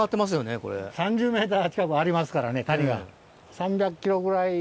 ３０ｍ近くありますからね谷が。